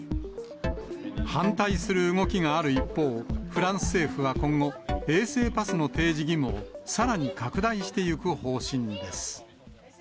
反対する動きがある一方、フランス政府は今後、衛生パスの提示義務をさらに拡大していく方針です。